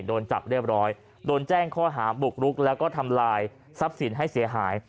โดนจับเรียบร้อยโดนแจ้งข้อหาบุกรุกแล้วก็ทำลายทรัพย์สินให้เสียหาย